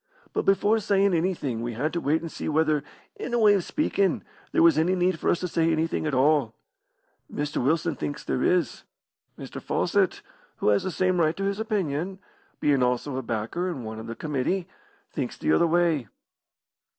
"But before sayin' anything we had to wait and see whether, in a way of speakin', there was any need for us to say anything at all. Mr. Wilson thinks there is. Mr. Fawcett, who has the same right to his opinion, bein' also a backer and one o' the committee, thinks the other way."